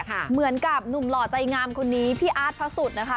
เหมือนกับหนุ่มหล่อใจงามคนนี้พี่อาร์ตพระสุทธิ์นะคะ